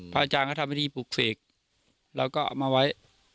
พระอาจารย์ก็ทำให้ที่ปลูกเสกเราก็เอามาไว้